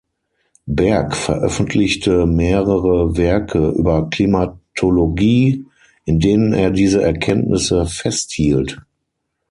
Berg veröffentlichte mehrere Werke über Klimatologie, in denen er diese Erkenntnisse festhielt.